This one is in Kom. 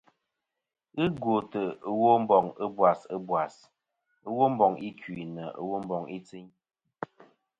Ghɨ gwòtɨ Womboŋ ɨbwas ɨbwò, womboŋ ikui nɨ womboŋ i tsiyn.